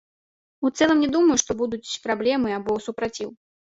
У цэлым не думаю, што будуць праблемы або супраціў.